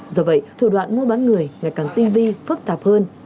do vậy thủ đoạn mua bán người ngày càng tinh vi phức tạp hơn